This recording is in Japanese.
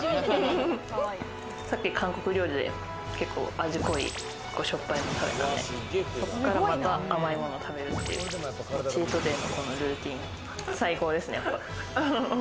さっき韓国料理で結構味濃い、しょっぱいもの食べたんで、ここからはまた甘いものを食べるっていう、チートデイのこのルーティン、最高ですね。